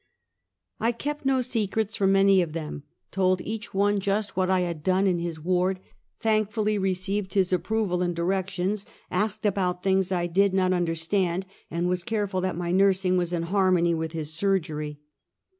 I kept no secrets from any of them : told each one 286 Half a Centuey. just what I had done in his ward ; thankfully received his approval and directions, asked about things I did not understand, and was careful that my nursing was in harmony with his surgery.